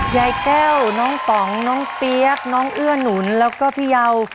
ยายแก้วน้องป๋องน้องเปี๊ยกน้องเอื้อหนุนแล้วก็พี่เยา